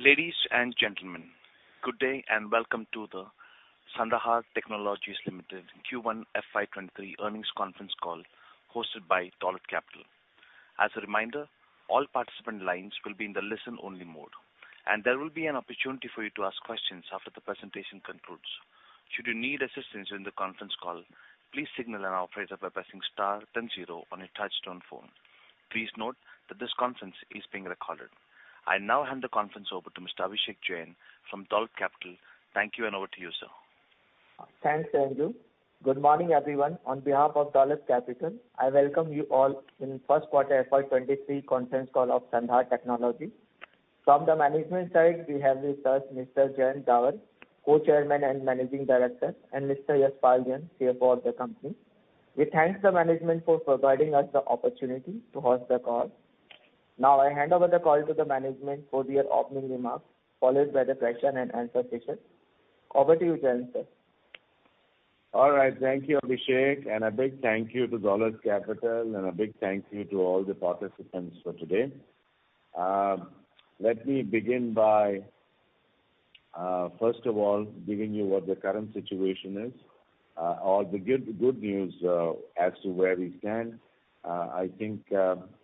Ladies and gentlemen, good day and welcome to the Sandhar Technologies Limited Q1 FY 2023 earnings conference call hosted by Dolat Capital. As a reminder, all participant lines will be in the listen-only mode, and there will be an opportunity for you to ask questions after the presentation concludes. Should you need assistance in the conference call, please signal an operator by pressing star then zero on your touchtone phone. Please note that this conference is being recorded. I now hand the conference over to Mr. Abhishek Jain from Dolat Capital. Thank you, and over to you, sir. Thanks, Andrew. Good morning, everyone. On behalf of Dolat Capital, I welcome you all in first quarter FY 2023 conference call of Sandhar Technologies. From the management side, we have with us Mr. Jayant Davar, Co-Chairman and Managing Director, and Mr. Yashpal Jain, CFO of the company. We thank the management for providing us the opportunity to host the call. Now I hand over the call to the management for their opening remarks, followed by the question and answer session. Over to you, Jayant, sir. All right. Thank you, Abhishek, and a big thank you to Dolat Capital and a big thank you to all the participants for today. Let me begin by first of all giving you what the current situation is. All the good news as to where we stand. I think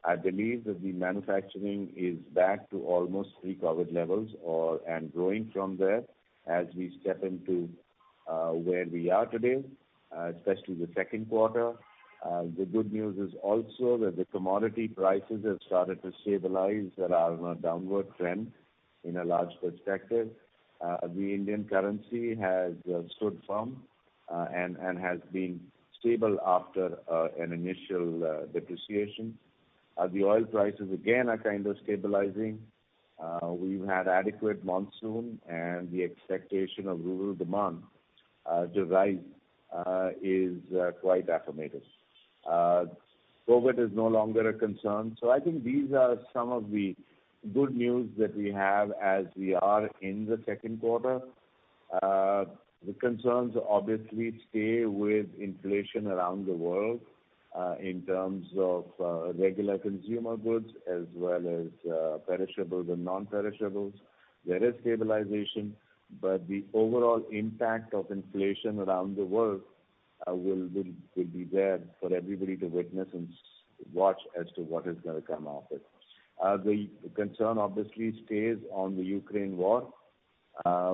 I believe that the manufacturing is back to almost pre-COVID levels and growing from there as we step into where we are today, especially the second quarter. The good news is also that the commodity prices have started to stabilize around a downward trend in a large perspective. The Indian currency has stood firm and has been stable after an initial depreciation. The oil prices again are kind of stabilizing. We've had adequate monsoon and the expectation of rural demand to rise is quite affirmative. COVID is no longer a concern. I think these are some of the good news that we have as we are in the second quarter. The concerns obviously stay with inflation around the world in terms of regular consumer goods as well as perishables and non-perishables. There is stabilization, but the overall impact of inflation around the world will be there for everybody to witness and watch as to what is gonna come of it. The concern obviously stays on the Ukraine war,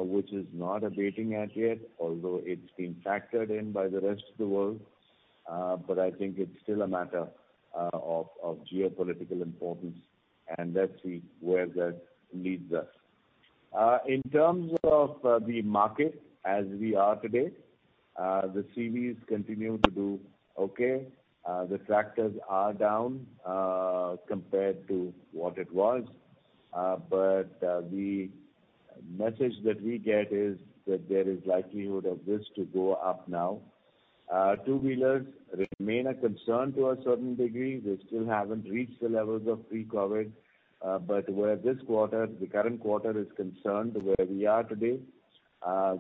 which is not abating as yet although it's been factored in by the rest of the world. I think it's still a matter of geopolitical importance, and let's see where that leads us. In terms of the market as we are today, the CVs continue to do okay. The tractors are down compared to what it was. The message that we get is that there is likelihood of this to go up now. Two-wheelers remain a concern to a certain degree. We still haven't reached the levels of pre-COVID. Where this quarter, the current quarter is concerned, where we are today,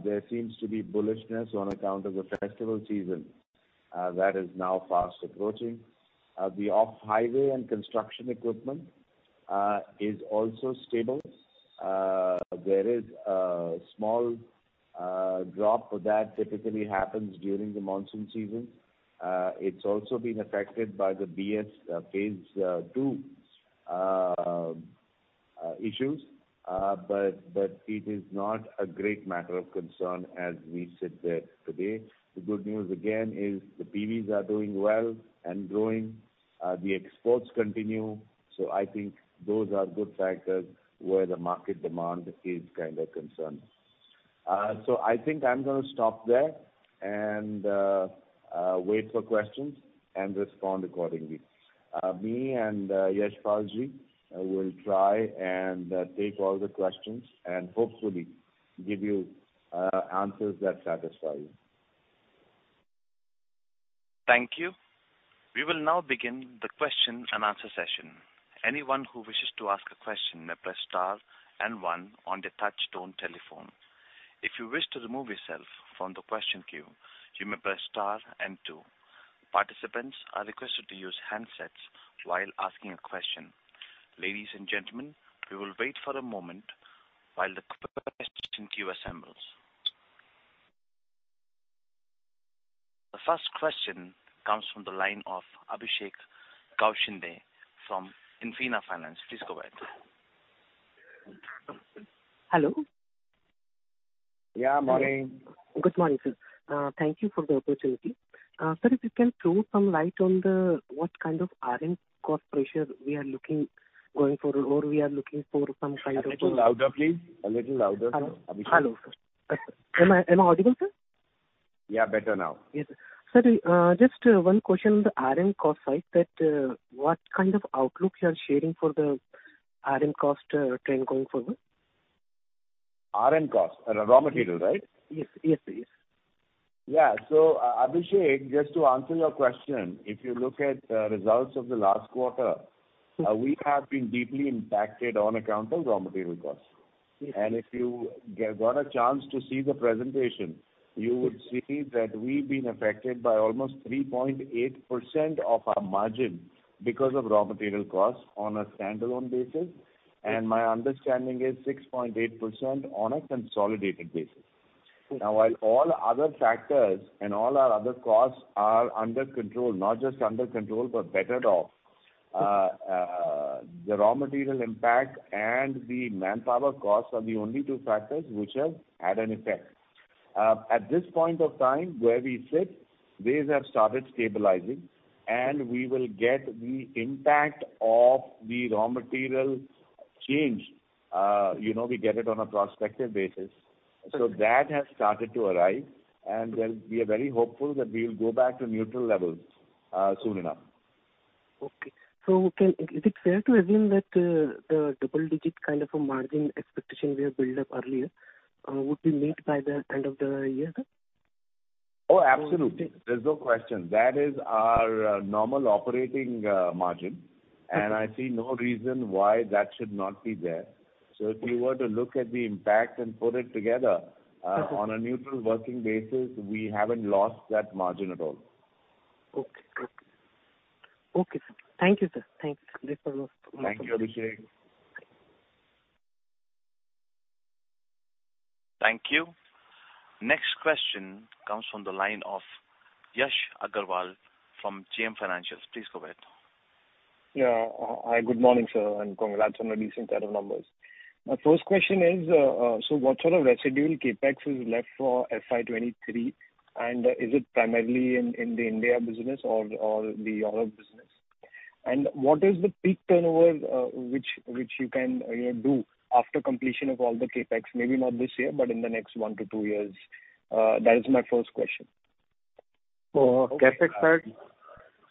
there seems to be bullishness on account of the festival season that is now fast approaching. The off-highway and construction equipment is also stable. There is a small drop that typically happens during the monsoon season. It's also been affected by the BS phase two issues. It is not a great matter of concern as we sit there today. The good news again is the PVs are doing well and growing. The exports continue. I think those are good factors where the market demand is kind of concerned. I think I'm gonna stop there and wait for questions and respond accordingly. Me and Yashpal Jain will try and take all the questions and hopefully give you answers that satisfy you. Thank you. We will now begin the question and answer session. Anyone who wishes to ask a question may press star and one on their touchtone telephone. If you wish to remove yourself from the question queue, you may press star and two. Participants are requested to use handsets while asking a question. Ladies and gentlemen, we will wait for a moment while the question queue assembles. The first question comes from the line of Abhishek Gaoshinde from Infina Finance. Please go ahead. Hello. Yeah. Morning. Good morning, sir. Thank you for the opportunity. Sir, if you can throw some light on what kind of RM cost pressure we are looking going forward, or we are looking for some kind of A little louder, please. A little louder. Hello. Abhishek. Hello, sir. Am I audible, sir? Yeah, better now. Yes, sir. Sir, just one question on the RM cost side that, what kind of outlook you are sharing for the RM cost trend going forward? RM cost. Raw material, right? Yes. Yes, please. Abhishek, just to answer your question, if you look at the results of the last quarter- Mm-hmm. We have been deeply impacted on account of raw material costs. Yes. If you got a chance to see the presentation, you would see that we've been affected by almost 3.8% of our margin because of raw material costs on a standalone basis. My understanding is 6.8% on a consolidated basis. Okay. Now, while all other factors and all our other costs are under control, not just under control, but better off, the raw material impact and the manpower costs are the only two factors which have had an effect. At this point of time where we sit, these have started stabilizing, and we will get the impact of the raw material change. You know, we get it on a prospective basis. Okay. That has started to arrive, and then we are very hopeful that we will go back to neutral levels, soon enough. Okay. Is it fair to assume that the double-digit kind of a margin expectation we have built up earlier would be met by the end of the year, sir? Oh, absolutely. Okay. There's no question. That is our normal operating margin. Okay. I see no reason why that should not be there. If you were to look at the impact and put it together. Okay. On a neutral working basis, we haven't lost that margin at all. Okay. Okay, sir. Thank you, sir. Thanks. This was wonderful. Thank you, Abhishek. Thank you. Next question comes from the line of Yash Agarwal from JM Financial. Please go ahead. Yeah. Hi, good morning, sir, and congrats on the decent set of numbers. My first question is, so what sort of residual CapEx is left for FY 2023, and is it primarily in the India business or the Europe business? What is the peak turnover, which you can, you know, do after completion of all the CapEx? Maybe not this year, but in the next one to two years. That is my first question. CapEx side.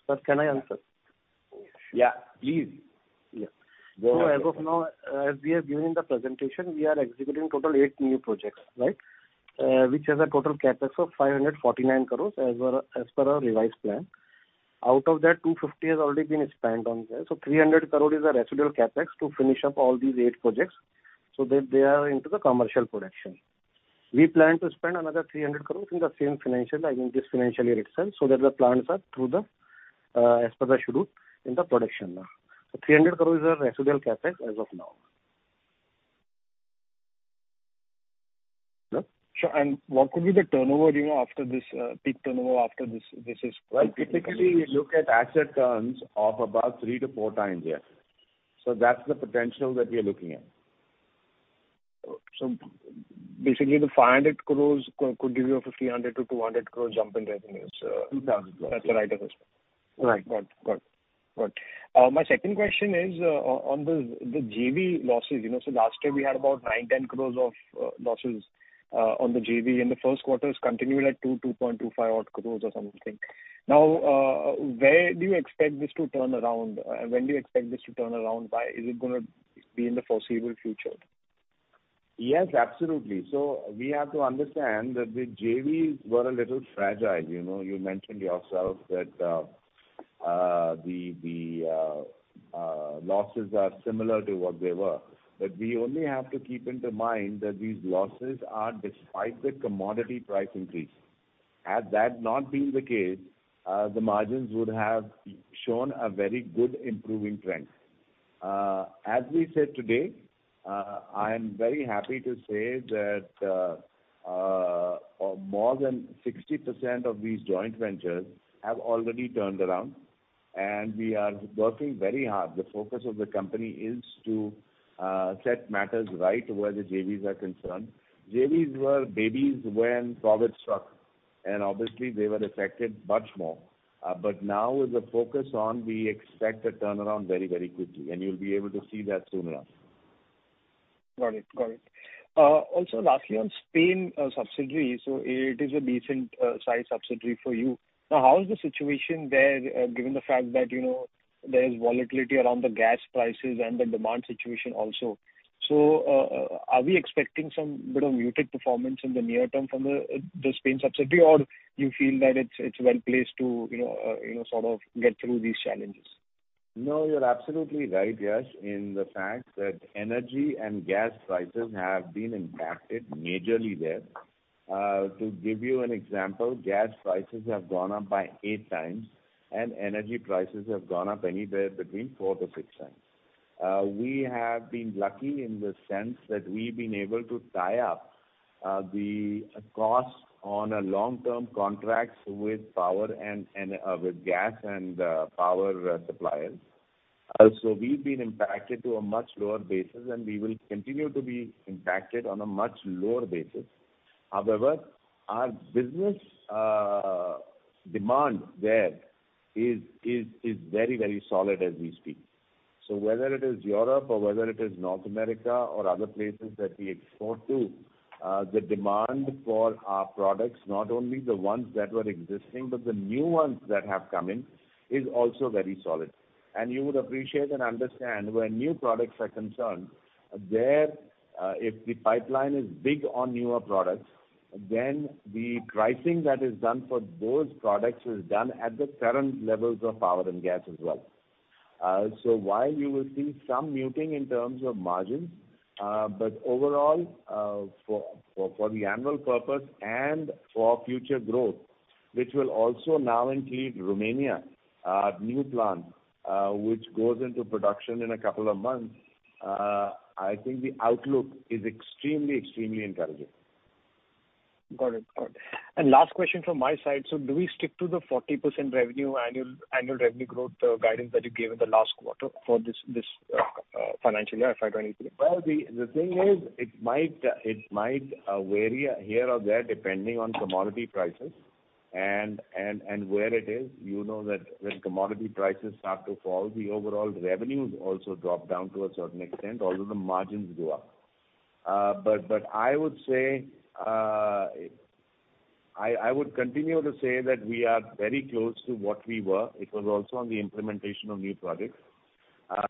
Sir, can I answer? Yeah, please. Yeah. Go ahead. As of now, as we have given in the presentation, we are executing total eight new projects, right? Which has a total CapEx of 549 crore as per our revised plan. Out of that, 250 crore has already been spent on there. 300 crore is a residual CapEx to finish up all these eight projects so that they are into the commercial production. We plan to spend another 300 crore in the same financial, I mean, this financial year itself, so that the plants are through the, as per the schedule in the production now. 300 crore is our residual CapEx as of now. Sure. What could be the turnover, you know, after this peak turnover after this is completed? Well, typically, we look at asset turns of about 3-4 times here. That's the potential that we are looking at. Basically, the 500 crore could give you an 300-200 crore jump in revenues. It does. That's the right assessment. Right. Got it. My second question is on the JV losses. You know, last year we had about 9-10 crores of losses on the JV, and the first quarter is continuing at 2- 2.25 odd crore or something. Now, where do you expect this to turn around? When do you expect this to turn around? By, is it gonna be in the foreseeable future? Yes, absolutely. We have to understand that the JVs were a little fragile. You know, you mentioned yourself that the losses are similar to what they were. We only have to keep in mind that these losses are despite the commodity price increase. Had that not been the case, the margins would have shown a very good improving trend. As we said today, I am very happy to say that more than 60% of these joint ventures have already turned around, and we are working very hard. The focus of the company is to set matters right where the JVs are concerned. JVs were babies when COVID struck, and obviously they were affected much more. Now with the focus on, we expect a turnaround very, very quickly, and you'll be able to see that soon enough. Got it. Also lastly on Spain subsidiary, it is a decent size subsidiary for you. Now, how is the situation there, given the fact that, you know, there is volatility around the gas prices and the demand situation also. Are we expecting some bit of muted performance in the near term from the Spain subsidiary, or you feel that it's well placed to, you know, sort of get through these challenges? No, you're absolutely right, Yash, in the fact that energy and gas prices have been impacted majorly there. To give you an example, gas prices have gone up by 8 times and energy prices have gone up anywhere between 4-6 times. We have been lucky in the sense that we've been able to tie up the costs on long-term contracts with power and gas suppliers. So we've been impacted to a much lower basis, and we will continue to be impacted on a much lower basis. However, our business demand there is very, very solid as we speak. Whether it is Europe or whether it is North America or other places that we export to, the demand for our products, not only the ones that were existing, but the new ones that have come in, is also very solid. You would appreciate and understand where new products are concerned, there, if the pipeline is big on newer products, then the pricing that is done for those products is done at the current levels of power and gas as well. While you will see some muting in terms of margins, but overall, for the annual purpose and for future growth, which will also now include Romania, new plant, which goes into production in a couple of months, I think the outlook is extremely encouraging. Got it. Got it. Last question from my side. Do we stick to the 40% annual revenue growth guidance that you gave in the last quarter for this financial year, FY 2023? The thing is it might vary here or there depending on commodity prices and where it is. You know that when commodity prices start to fall, the overall revenues also drop down to a certain extent, although the margins go up. I would say I would continue to say that we are very close to what we were. It was also on the implementation of new products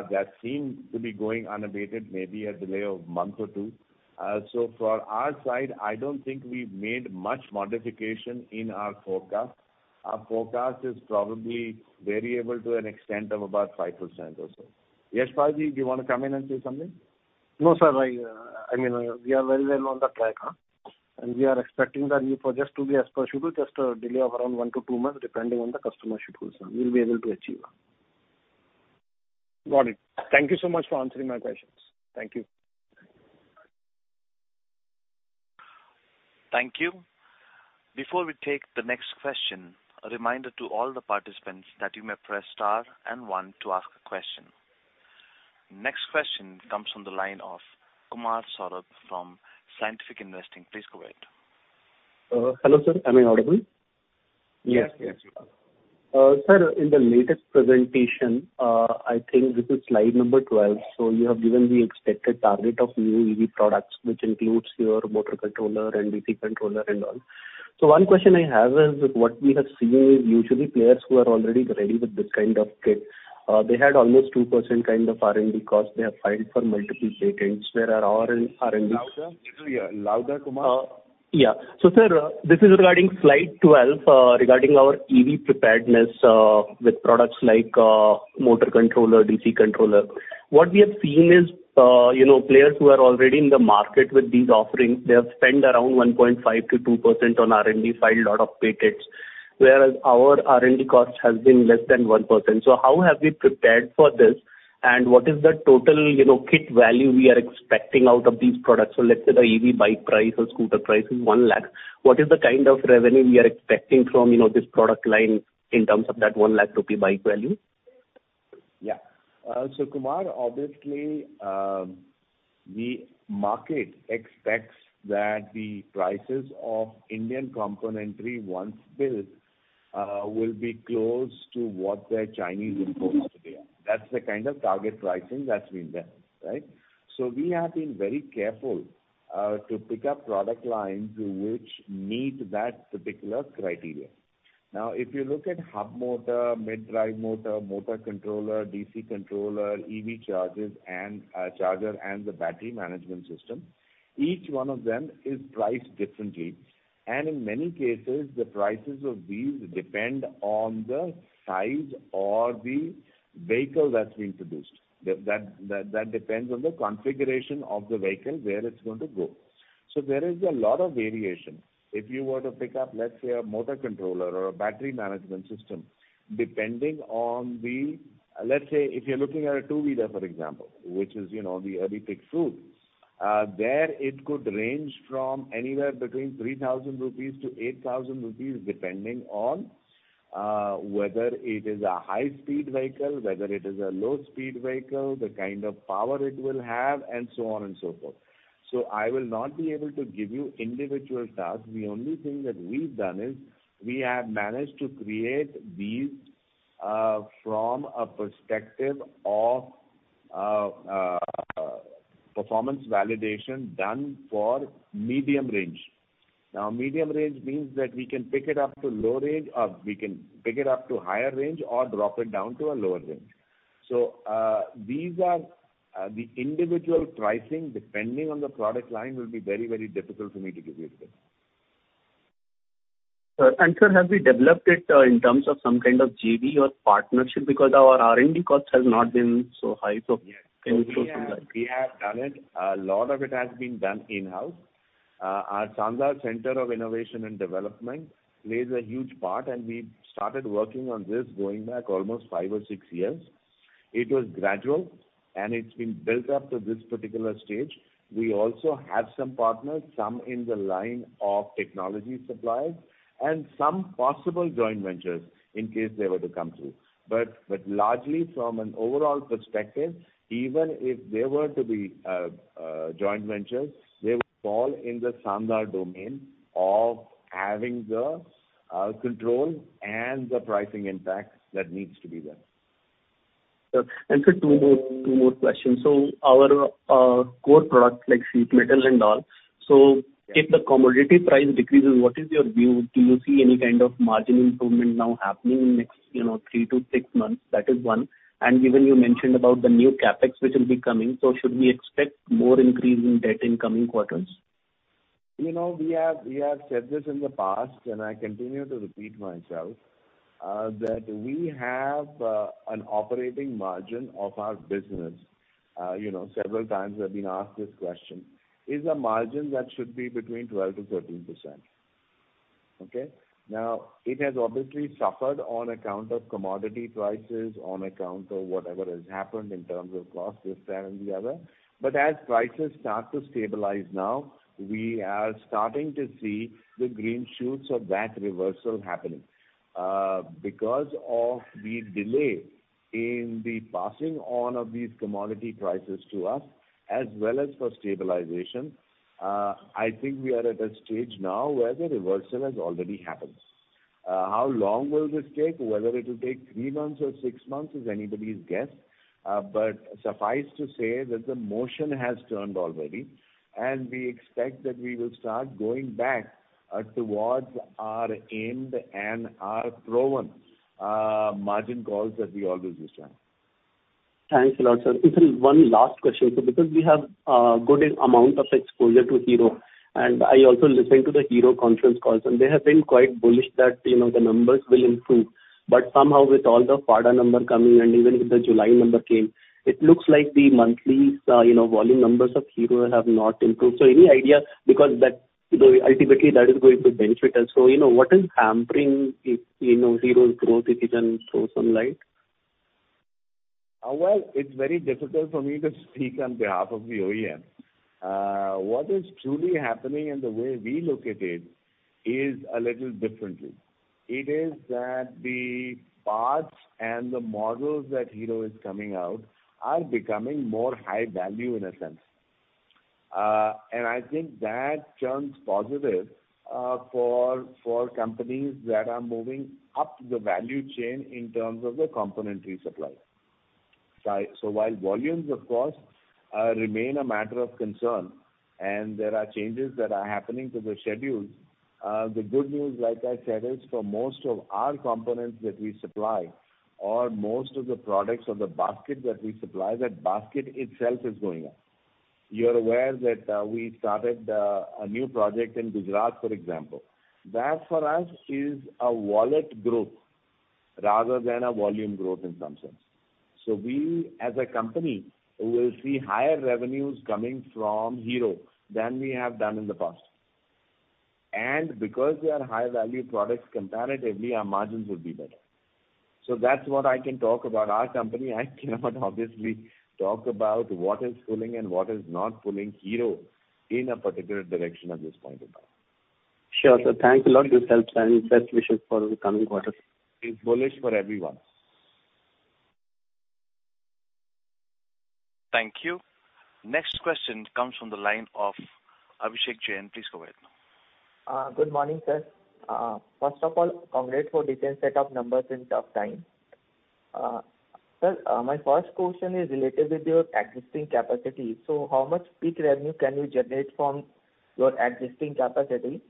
that seem to be going unabated, maybe a delay of a month or two. For our side, I don't think we've made much modification in our forecast. Our forecast is probably variable to an extent of about 5% or so. Yashpal Jain, do you wanna come in and say something? No, sir. I mean, we are very well on the track, and we are expecting the new projects to be as per schedule, just a delay of around 1-2 months, depending on the customer schedules, and we'll be able to achieve. Got it. Thank you so much for answering my questions. Thank you. Thank you. Before we take the next question, a reminder to all the participants that you may press star and one to ask a question. Next question comes from the line of Kumar Saurabh from Scientific Investing. Please go ahead. Hello, sir. Am I audible? Yes. Yes, you are. Sir, in the latest presentation, I think this is slide number 12, so you have given the expected target of new EV products, which includes your motor controller and DC controller and all. One question I have is, what we have seen is usually players who are already ready with this kind of kit, they had almost 2% kind of R&D cost. They have filed for multiple patents. Where are our R&D- Louder. Louder, Kumar. Sir, this is regarding slide 12, regarding our EV preparedness, with products like motor controller, DC controller. What we have seen is, you know, players who are already in the market with these offerings, they have spent around 1.5%-2% on R&D, filed a lot of patents, whereas our R&D cost has been less than 1%. How have we prepared for this, and what is the total, you know, kit value we are expecting out of these products? Let's say the EV bike price or scooter price is 1 lakh. What is the kind of revenue we are expecting from, you know, this product line in terms of that 1 lakh rupee to the bike value? Yeah. Kumar, obviously, the market expects that the prices of Indian complementary once built will be close to what their Chinese imports today are. That's the kind of target pricing that's been done, right? We have been very careful to pick up product lines which meet that particular criteria. Now, if you look at hub motor, mid-drive motor controller, DC controller, EV chargers and, charger and the battery management system, each one of them is priced differently. In many cases, the prices of these depend on the size or the vehicle that's been produced. That depends on the configuration of the vehicle, where it's going to go. There is a lot of variation. If you were to pick up, let's say a motor controller or a battery management system, depending on the... Let's say if you're looking at a two-wheeler, for example, which is, you know, the low-hanging fruit, there it could range from anywhere between 3,000 rupees- 8,000 rupees, depending on whether it is a high-speed vehicle, whether it is a low-speed vehicle, the kind of power it will have and so on and so forth. I will not be able to give you individual tasks. The only thing that we've done is we have managed to create these from a perspective of performance validation done for medium range. Now, medium range means that we can pick it up to low range, or we can pick it up to higher range or drop it down to a lower range. These are the individual pricing, depending on the product line, will be very, very difficult for me to give you today. Sir, have we developed it in terms of some kind of JV or partnership? Because our R&D cost has not been so high. Yes. Can you throw some light? We have done it. A lot of it has been done in-house. Our Sandhar Centre for Innovation & Development plays a huge part, and we started working on this going back almost 5 or 6 years. It was gradual, and it's been built up to this particular stage. We also have some partners, some in the line of technology suppliers and some possible joint ventures in case they were to come through. But largely from an overall perspective, even if they were to be joint ventures, they would fall in the Sandhar domain of having the control and the pricing impact that needs to be there. Sir, two more questions. Our core products like sheet metal and all, if the commodity price decreases, what is your view? Do you see any kind of margin improvement now happening in next 3-6 months? That is one. Given you mentioned about the new CapEx which will be coming, should we expect more increase in debt in coming quarters? You know, we have said this in the past, and I continue to repeat myself, that we have an operating margin of our business, you know, several times I've been asked this question, is a margin that should be between 12%-13%. Okay. Now, it has obviously suffered on account of commodity prices, on account of whatever has happened in terms of costs this, that, and the other. As prices start to stabilize now, we are starting to see the green shoots of that reversal happening. Because of the delay in the passing on of these commodity prices to us, as well as for stabilization, I think we are at a stage now where the reversal has already happened. How long will this take? Whether it will take three months or six months is anybody's guess. Suffice to say that the momentum has turned already, and we expect that we will start going back towards our aimed and our proven margin goals that we always discuss. Thanks a lot, sir. If there's one last question, sir, because we have good amount of exposure to Hero, and I also listened to the Hero conference calls, and they have been quite bullish that, you know, the numbers will improve. Somehow with all the FADA number coming and even with the July number came, it looks like the monthly you know volume numbers of Hero have not improved. Any idea? Because that, you know, ultimately that is going to benefit us. You know, what is hampering, you know, Hero's growth if you can throw some light? Well, it's very difficult for me to speak on behalf of the OEM. What is truly happening and the way we look at it is a little differently. It is that the parts and the models that Hero is coming out are becoming more high value in a sense. I think that turns positive for companies that are moving up the value chain in terms of the componentry supply. While volumes of course remain a matter of concern, and there are changes that are happening to the schedules, the good news, like I said, is for most of our components that we supply or most of the products of the basket that we supply, that basket itself is going up. You're aware that we started a new project in Gujarat, for example. That for us is a wallet growth rather than a volume growth in some sense. We as a company will see higher revenues coming from Hero than we have done in the past. Because they are high value products, comparatively our margins would be better. That's what I can talk about our company. I cannot obviously talk about what is pulling and what is not pulling Hero in a particular direction at this point in time. Sure, sir. Thanks a lot for your help, sir, and best wishes for the coming quarter. It's bullish for everyone. Thank you. Next question comes from the line of Abhishek Jain. Please go ahead now. Good morning, sir. First of all, congrats for decent set of numbers in tough time. Sir, my first question is related with your existing capacity. How much peak revenue can you generate from your existing capacity,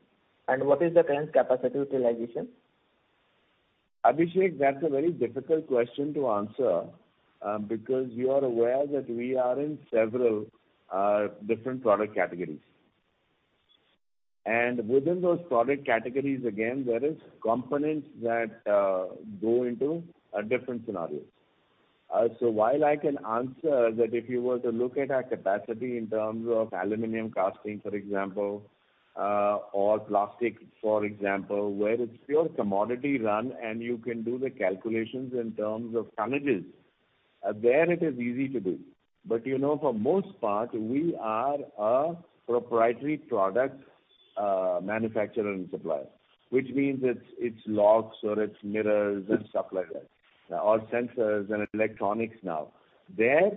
and what is the current capacity utilization? Abhishek, that's a very difficult question to answer, because you are aware that we are in several different product categories. Within those product categories, again, there is components that go into different scenarios. While I can answer that if you were to look at our capacity in terms of aluminum casting, for example, or plastic, for example, where it's pure commodity run and you can do the calculations in terms of tonnages, there it is easy to do. You know, for most part, we are a proprietary product manufacturer and supplier, which means it's locks or it's mirrors and stuff like that, or sensors and electronics now. There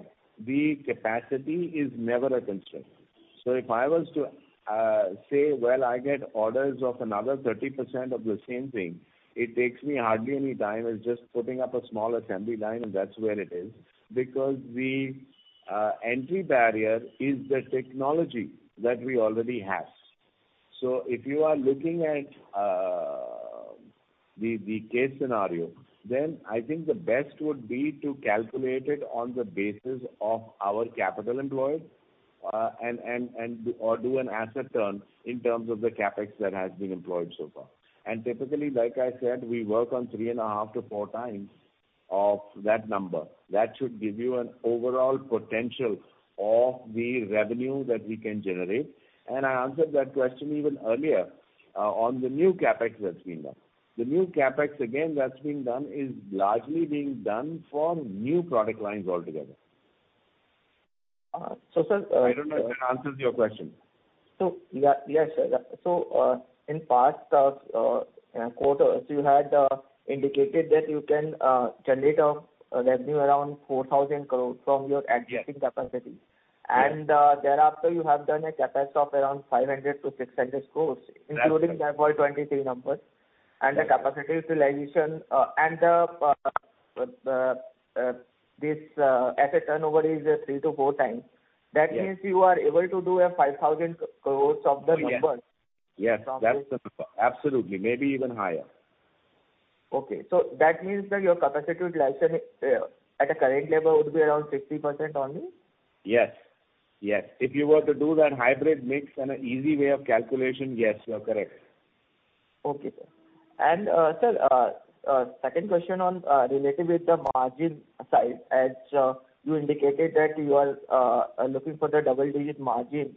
the capacity is never a constraint. If I was to say, well, I get orders of another 30% of the same thing, it takes me hardly any time. It's just putting up a small assembly line, and that's where it is. Because the entry barrier is the technology that we already have. If you are looking at the case scenario, then I think the best would be to calculate it on the basis of our capital employed or do an asset turn in terms of the CapEx that has been employed so far. Typically, like I said, we work on 3.5-4 times of that number. That should give you an overall potential of the revenue that we can generate. I answered that question even earlier on the new CapEx that's been done. The new CapEx, again, that's being done is largely being done for new product lines altogether. Sir. I don't know if that answers your question. Yeah. Yes, sir. In past quarters, you had indicated that you can generate a revenue around 4,000 crore from your existing capacity. Yes. Thereafter, you have done a CapEx of around 500- 600 crore. That's it. Including the FY 2023 numbers. Yes. and the asset turnover is 3-4 times. Yes. That means you are able to do 5,000 crore of the numbers. Yes. Yes, that's the number. Absolutely. Maybe even higher. That means that your capacity utilization at the current level would be around 60% only? Yes. If you were to do that hybrid mix and an easy way of calculation, yes, you are correct. Okay, sir. Sir, second question on related with the margin side, as you indicated that you are looking for the double-digit margin.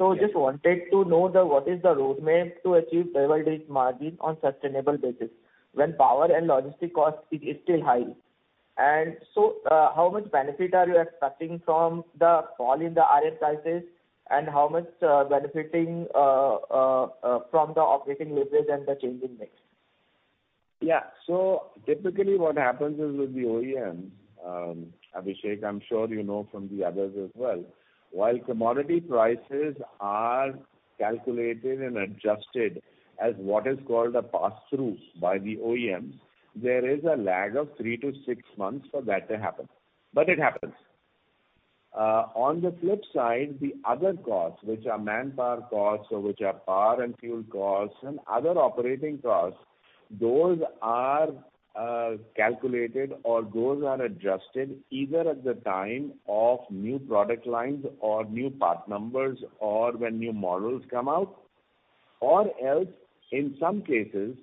Yes. Just wanted to know what is the roadmap to achieve double-digit margin on sustainable basis when power and logistic cost is still high. How much benefit are you expecting from the fall in the iron prices, and how much benefit from the operating leverage and the change in mix? Yeah. Typically what happens is with the OEM, Abhishek, I'm sure you know from the others as well, while commodity prices are calculated and adjusted as what is called a pass-through by the OEMs, there is a lag of 3-6 months for that to happen, but it happens. On the flip side, the other costs, which are manpower costs, or which are power and fuel costs and other operating costs, those are calculated or those are adjusted either at the time of new product lines or new part numbers or when new models come out. Else, in some cases,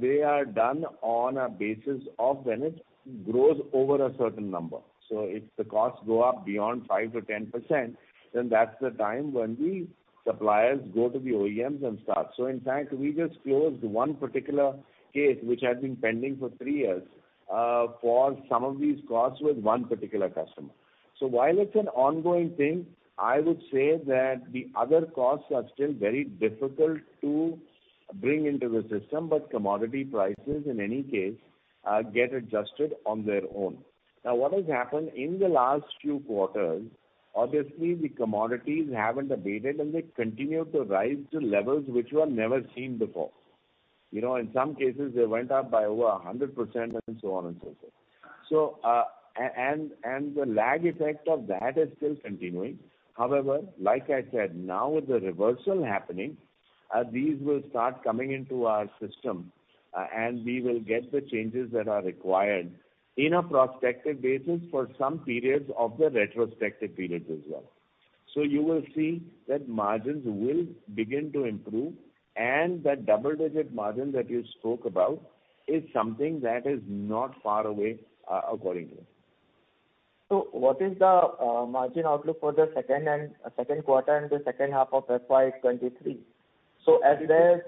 they are done on a basis of when it grows over a certain number. If the costs go up beyond 5%-10%, then that's the time when the suppliers go to the OEMs and start. In fact, we just closed one particular case, which had been pending for three years, for some of these costs with one particular customer. While it's an ongoing thing, I would say that the other costs are still very difficult to bring into the system, but commodity prices in any case get adjusted on their own. Now, what has happened in the last few quarters, obviously the commodities haven't abated, and they continue to rise to levels which were never seen before. You know, in some cases they went up by over 100% and so on and so forth. And the lag effect of that is still continuing. However, like I said, now with the reversal happening, these will start coming into our system, and we will get the changes that are required in a prospective basis for some periods of the retrospective periods as well. You will see that margins will begin to improve, and that double-digit margin that you spoke about is something that is not far away, according to me. What is the margin outlook for the second quarter and the second half of FY 2023?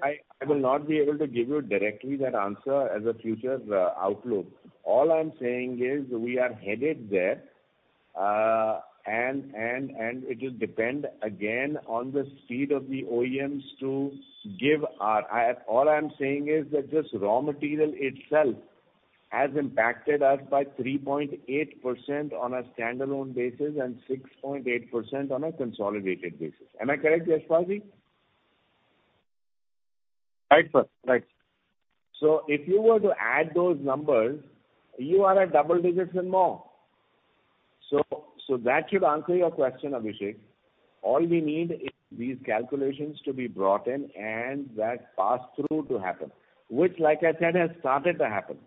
I will not be able to give you directly that answer as a future outlook. All I'm saying is we are headed there, it'll depend again on the speed of the OEMs. All I'm saying is that this raw material itself has impacted us by 3.8% on a standalone basis and 6.8% on a consolidated basis. Am I correct, Yashpal Jain? Right, sir. Right. If you were to add those numbers, you are at double digits and more. That should answer your question, Abhishek. All we need is these calculations to be brought in and that pass-through to happen, which like I said, has started to happen.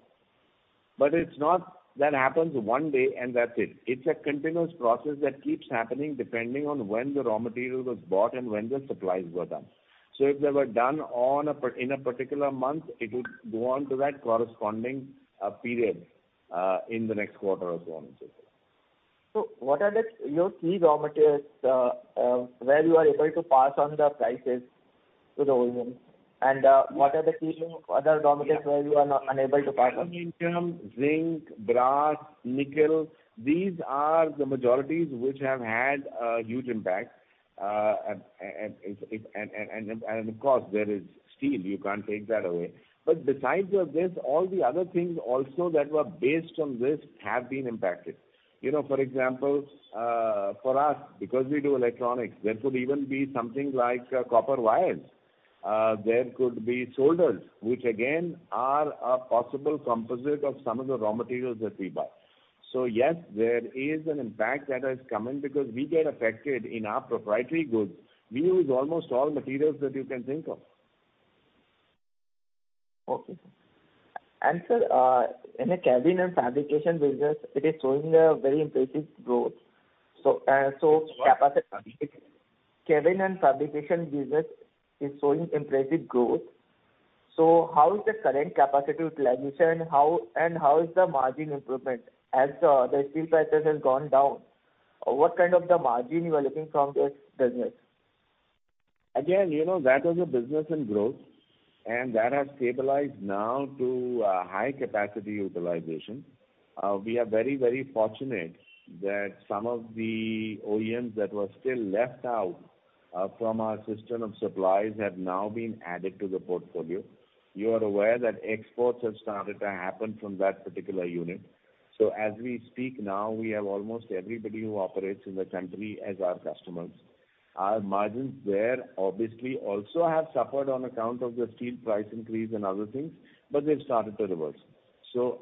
But it's not that happens one day and that's it. It's a continuous process that keeps happening depending on when the raw material was bought and when the supplies were done. If they were done in a particular month, it would go on to that corresponding period in the next quarter or so on and so forth. What are your key raw materials where you are able to pass on the prices to the OEM? What are the key other raw materials where you are not unable to pass on? Aluminum, zinc, brass, nickel, these are the materials which have had a huge impact. Of course there is steel. You can't take that away. Besides this, all the other things also that were based on this have been impacted. You know, for example, for us, because we do electronics, there could even be something like copper wires. There could be solders, which again are a possible composite of some of the raw materials that we buy. Yes, there is an impact that has come in because we get affected in our proprietary goods. We use almost all materials that you can think of. Okay. Sir, in the cabin and fabrication business, it is showing a very impressive growth. Capacity- What? Cabin and fabrication business is showing impressive growth. How is the current capacity utilization and how is the margin improvement as the steel prices has gone down? What kind of the margin you are looking from this business? Again, you know, that was a business in growth, and that has stabilized now to a high capacity utilization. We are very, very fortunate that some of the OEMs that were still left out from our system of suppliers have now been added to the portfolio. You are aware that exports have started to happen from that particular unit. As we speak now, we have almost everybody who operates in the country as our customers. Our margins there obviously also have suffered on account of the steel price increase and other things, but they've started to reverse.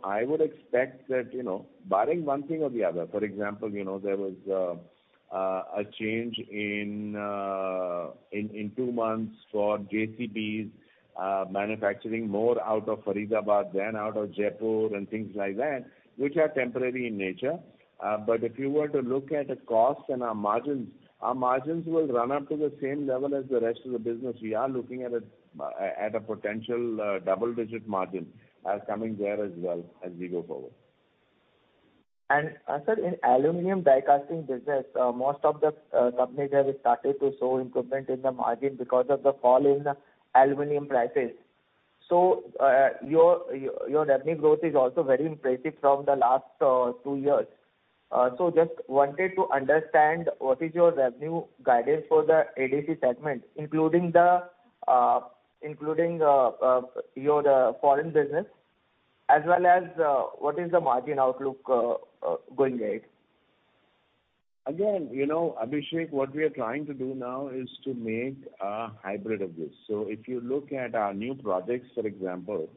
I would expect that, you know, barring one thing or the other, for example, you know, there was a change in two months for JCBs manufacturing more out of Faridabad than out of Jaipur and things like that, which are temporary in nature. If you were to look at the costs and our margins, our margins will run up to the same level as the rest of the business. We are looking at a potential double-digit margin as coming there as well as we go forward. Sir, in aluminum die casting business, most of the companies have started to show improvement in the margin because of the fall in aluminum prices. Your revenue growth is also very impressive from the last two years. Just wanted to understand what is your revenue guidance for the ADC segment, including your foreign business as well as what is the margin outlook going ahead? Again, you know, Abhishek, what we are trying to do now is to make a hybrid of this. If you look at our new projects, for example,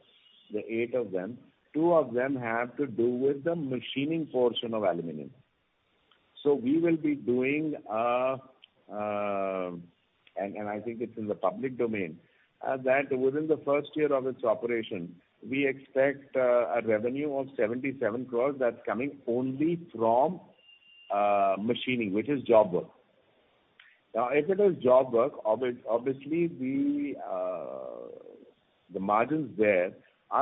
the eight of them, two of them have to do with the machining portion of aluminum. We will be doing, and I think it's in the public domain, that within the first year of its operation, we expect a revenue of 77 crore that's coming only from machining, which is job work. Now, if it is job work, obviously the margins there are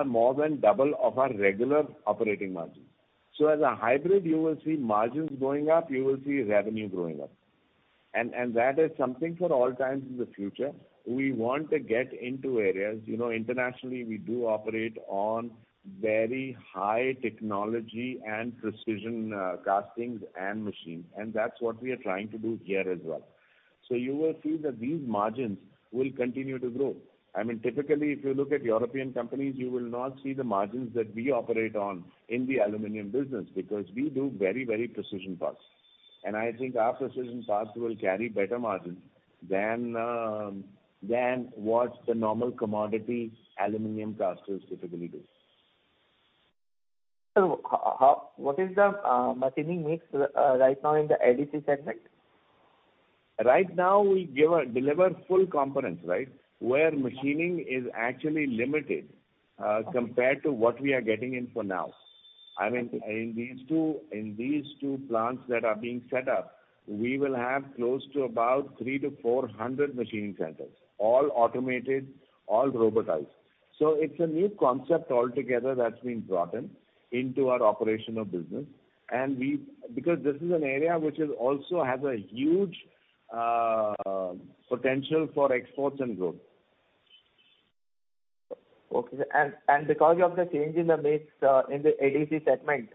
more than double of our regular operating margins. As a hybrid, you will see margins going up, you will see revenue growing up. That is something for all times in the future. We want to get into areas, you know, internationally, we do operate on very high technology and precision castings and machines, and that's what we are trying to do here as well. You will see that these margins will continue to grow. I mean, typically, if you look at European companies, you will not see the margins that we operate on in the aluminum business because we do very, very precision parts. I think our precision parts will carry better margins than what the normal commodity aluminum casters typically do. What is the machining mix right now in the ADC segment? Right now we deliver full components, right? Where machining is actually limited compared to what we are getting in for now. I mean, in these two plants that are being set up, we will have close to about 300-400 machining centers, all automated, all robotized. It's a new concept altogether that's been brought in into our operational business. Because this is an area which is also has a huge potential for exports and growth. Okay. Because of the change in the mix, in the ADC segment,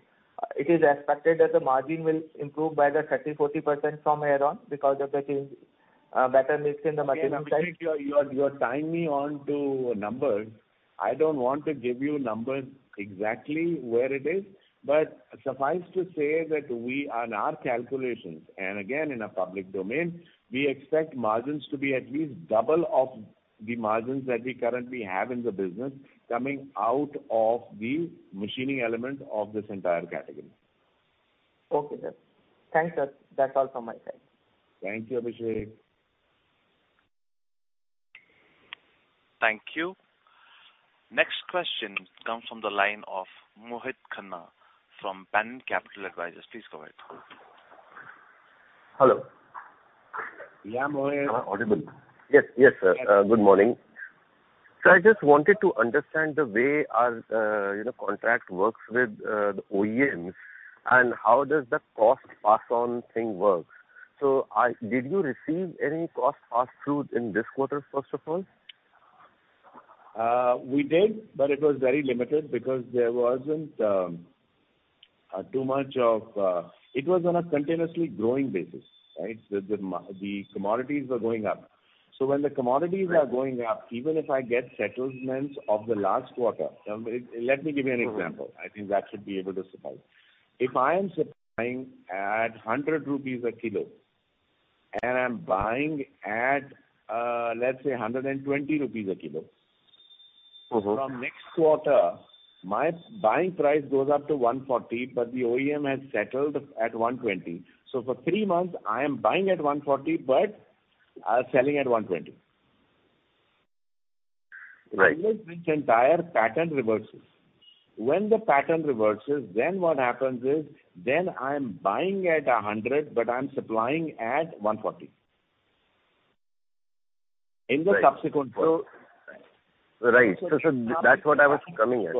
it is expected that the margin will improve by 30%-40% from here on because of the change, better mix in the machining side. Abhishek, you are tying me down to numbers. I don't want to give you numbers exactly where it is. Suffice to say that we on our calculations, and again, in the public domain, we expect margins to be at least double of the margins that we currently have in the business coming out of the machining element of this entire category. Okay, sir. Thanks, sir. That's all from my side. Thank you, Abhishek. Thank you. Next question comes from the line of Mohit Khanna from Banyan Capital Advisors. Please go ahead. Hello. Yeah, Mohit. Am I audible? Yes. Yes, sir. Good morning. I just wanted to understand the way our, you know, contract works with the OEMs, and how does the cost pass-through thing work. Did you receive any cost pass-through in this quarter, first of all? We did, but it was very limited because there wasn't too much of. It was on a continuously growing basis, right? The commodities were going up. When the commodities are going up, even if I get settlements of the last quarter, let me give you an example. I think that should be able to suffice. If I am supplying at 100 rupees a kilo, and I'm buying at, let's say 120 rupees a kilo. Mm-hmm. From next quarter, my buying price goes up to 140, but the OEM has settled at 120. For three months, I am buying at 140, but selling at 120. Right. This entire pattern reverses. When the pattern reverses, what happens is, I'm buying at 100, but I'm supplying at 140. In the subsequent quarter. Right. That's what I was coming at.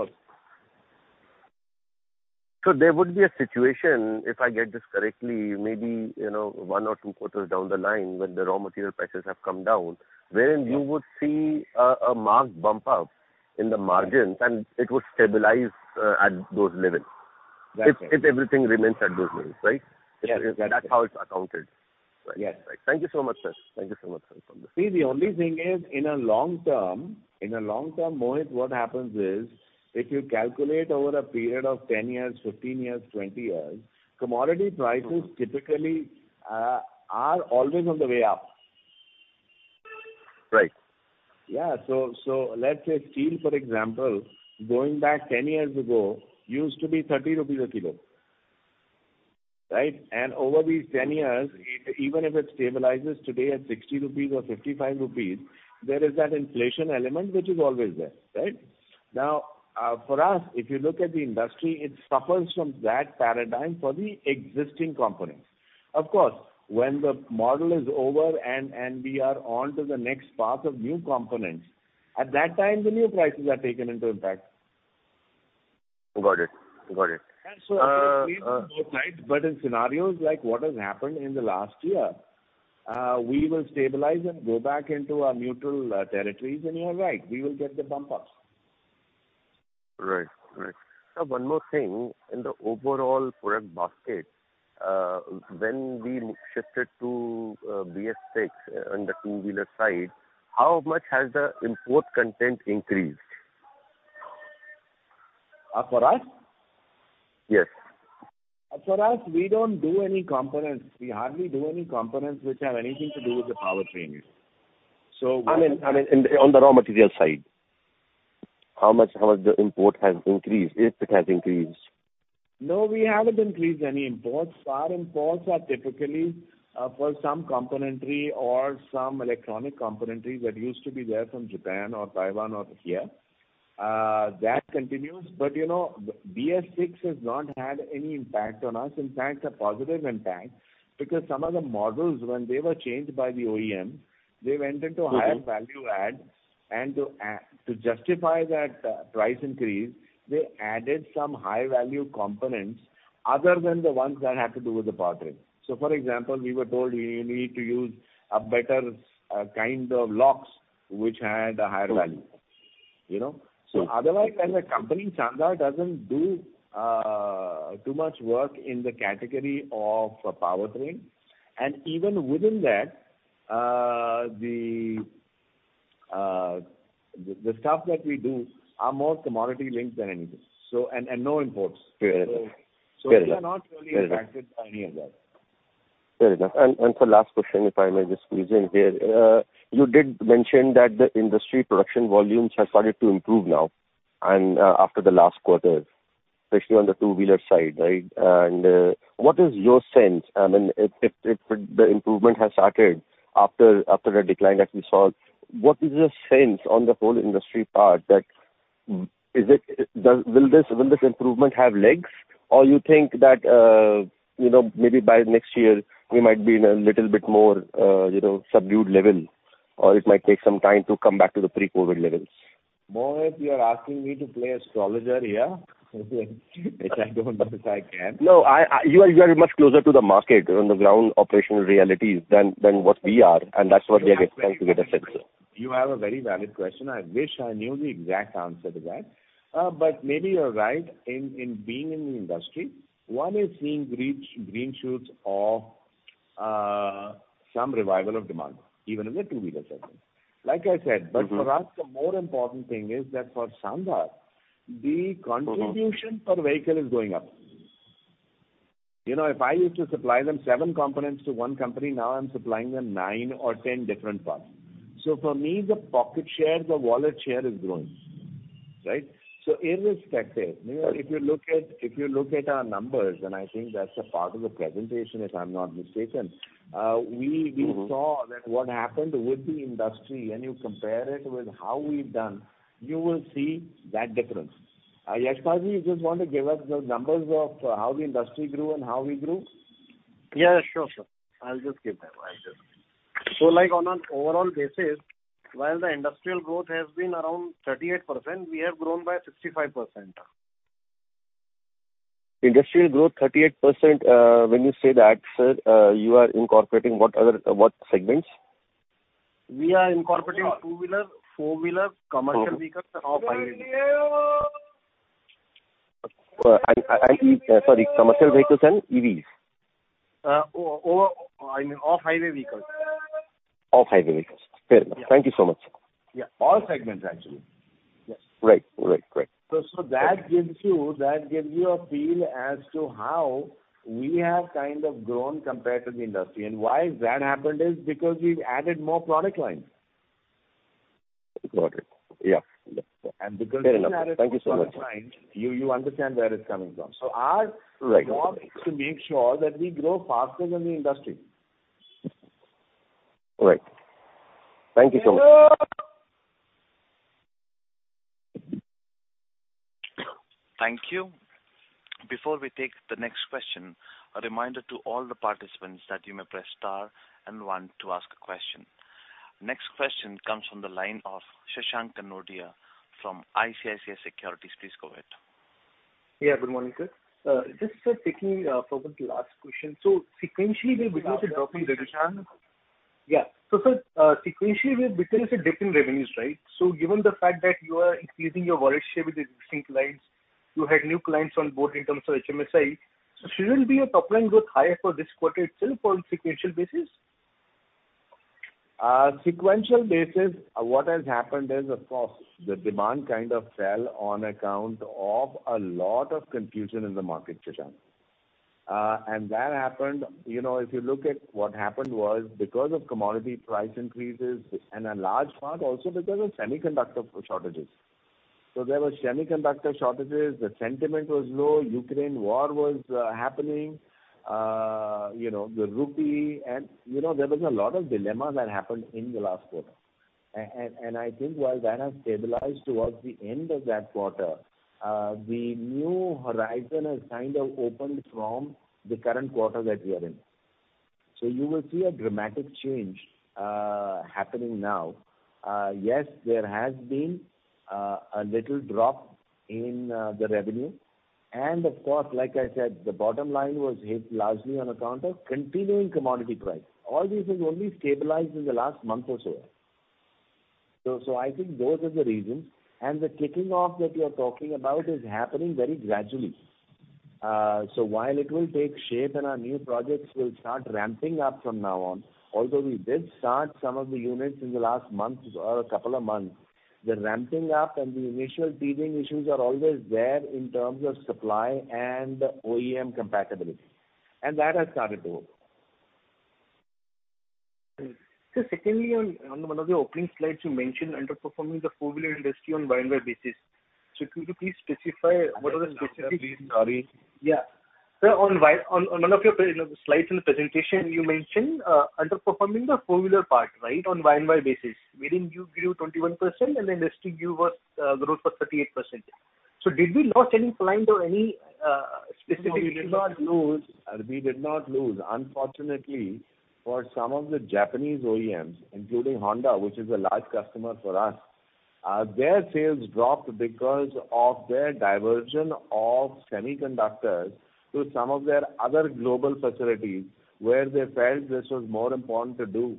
Sure. There would be a situation, if I get this correctly, maybe, you know, one or two quarters down the line when the raw material prices have come down, wherein you would see a marked bump up in the margins, and it would stabilize at those levels. That's right. If everything remains at those levels, right? Yes. That's how it's accounted. Right. Yes. Thank you so much, sir. See, the only thing is, in a long term, Mohit, what happens is, if you calculate over a period of 10 years, 15 years, 20 years, commodity prices typically are always on the way up. Right. Yeah. Let's say steel, for example, going back 10 years ago used to be 30 rupees a kilo, right? Over these 10 years, even if it stabilizes today at 60 rupees or 55 rupees, there is that inflation element which is always there, right? Now, for us, if you look at the industry, it suffers from that paradigm for the existing components. Of course, when the model is over and we are on to the next path of new components, at that time the new prices are taken into impact. Got it. I think we need both sides, but in scenarios like what has happened in the last year, we will stabilize and go back into our neutral territories, and you are right, we will get the bump ups. Right. Now one more thing. In the overall product basket, when we shifted to BS6 on the two-wheeler side, how much has the import content increased? For us? Yes. For us, we don't do any components. We hardly do any components which have anything to do with the powertrain. I mean on the raw material side, how much the import has increased, if it has increased? No, we haven't increased any imports. Our imports are typically for some componentry or some electronic componentry that used to be there from Japan or Taiwan or Korea. That continues. You know, BS6 has not had any impact on us. In fact, a positive impact, because some of the models, when they were changed by the OEM, they went into higher value add. To justify that price increase, they added some high value components other than the ones that had to do with the powertrain. For example, we were told we need to use a better kind of locks which had a higher value, you know. Sure. Otherwise, as a company, Sandhar doesn't do too much work in the category of powertrain. Even within that, the stuff that we do are more commodity linked than anything. And no imports. Fair enough. We are not really impacted by any of that. Fair enough. Sir, last question, if I may just squeeze in here. You did mention that the industry production volumes have started to improve now and, after the last quarter, especially on the two-wheeler side, right? What is your sense? I mean, if the improvement has started after the decline that we saw, what is your sense on the whole industry? Is it. Will this improvement have legs? Or you think that, you know, maybe by next year we might be in a little bit more, you know, subdued level or it might take some time to come back to the pre-COVID levels. Mohit, you are asking me to play astrologer here, which I don't know if I can. No. You are much closer to the market on the ground operational realities than what we are, and that's what we are trying to get assessed, sir. You have a very valid question. I wish I knew the exact answer to that. Maybe you're right. In being in the industry, one is seeing green shoots of some revival of demand, even in the two-wheeler segment. Like I said. Mm-hmm. For us the more important thing is that for Sandhar, the contribution per vehicle is going up. You know, if I used to supply them 7 components to one company, now I'm supplying them 9 or 10 different parts. So for me, the pocket share, the wallet share is growing, right? So irrespective, you know, if you look at our numbers, and I think that's a part of the presentation, if I'm not mistaken, we saw that what happened with the industry, when you compare it with how we've done, you will see that difference. Yashpal, do you just want to give us the numbers of how the industry grew and how we grew? Yeah, sure, sir. I'll just give them. Like on an overall basis, while the industrial growth has been around 38%, we have grown by 65%. Industrial growth 38%, when you say that, sir, you are incorporating what other, what segments? We are incorporating two-wheeler, four-wheeler, commercial vehicles and off-highway vehicles. Sorry, commercial vehicles and EVs. I mean, off-highway vehicles. Off-highway vehicles. Yeah. Fair enough. Thank you so much, sir. Yeah. All segments, actually. Yes. Right. That gives you a feel as to how we have kind of grown compared to the industry. Why that happened is because we've added more product lines. Got it. Yeah. Yeah. Because we've added more product lines. Fair enough. Thank you so much, sir. you understand where it's coming from. Our- Right, got it. Job is to make sure that we grow faster than the industry. Right. Thank you so much. Thank you. Before we take the next question, a reminder to all the participants that you may press star and one to ask a question. Next question comes from the line of Shashank Kanodia from ICICI Securities. Please go ahead. Yeah. Good morning, sir. Just taking further to last question. Sequentially there was a drop in revenues- Shashank? Yeah. Sir, sequentially, there was a dip in revenues, right? Given the fact that you are increasing your wallet share with existing clients, you had new clients on board in terms of HMSI, shouldn't your top line growth be higher for this quarter itself on sequential basis? Sequential basis, what has happened is, of course, the demand kind of fell on account of a lot of confusion in the market, Shashank. That happened, you know, if you look at what happened was because of commodity price increases and a large part also because of semiconductor shortages. There was semiconductor shortages, the sentiment was low, Ukraine war was happening, you know, the rupee and, you know, there was a lot of dilemma that happened in the last quarter. I think while that has stabilized towards the end of that quarter, the new horizon has kind of opened from the current quarter that we are in. You will see a dramatic change happening now. Yes, there has been a little drop in the revenue, and of course, like I said, the bottom line was hit largely on account of continuing commodity price. All this has only stabilized in the last month or so. So I think those are the reasons. The kicking off that you're talking about is happening very gradually. While it will take shape and our new projects will start ramping up from now on, although we did start some of the units in the last month or a couple of months, the ramping up and the initial teething issues are always there in terms of supply and OEM compatibility, and that has started to go. Sir, secondly, on one of the opening slides you mentioned underperforming the four-wheeler industry on Y-o-Y basis. Could you please specify what are the specific- I'm sorry. Sir, on one of your, you know, slides in the presentation you mentioned underperforming the four-wheeler part, right, on Y-o-Y basis, wherein you grew 21% and industry growth was 38%. Did we lost any client or any specific- No, we did not lose. Unfortunately for some of the Japanese OEMs, including Honda, which is a large customer for us, their sales dropped because of their diversion of semiconductors to some of their other global facilities where they felt this was more important to do.